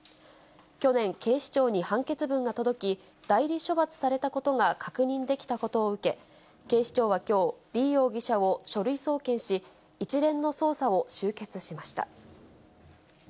去年、警視庁に判決文が届き、代理処罰されたことが確認できたことを受け、警視庁はきょう、李容疑者を書類送検し、一連の捜査を終結しました。